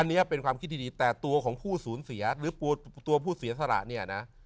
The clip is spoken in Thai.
อันนี้เป็นความคิดที่ดีแต่ตัวของผู้สูญเสียหรือตัวผู้เสียสละเนี่ยนะ